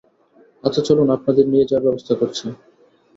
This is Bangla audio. আচ্ছা, চলুন আপনাদের নিয়ে যাওয়ার ব্যবস্থা করছি।